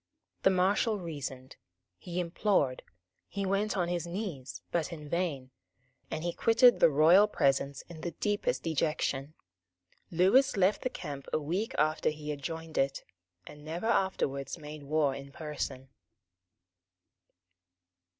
The Marshal reasoned; he implored; he went on his knees; but in vain; and he quitted the royal presence in the deepest dejection. Lewis left the camp a week after he had joined it, and never afterwards made war in person.